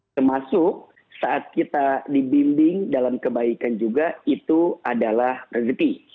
termasuk saat kita dibimbing dalam kebaikan juga itu adalah rezeki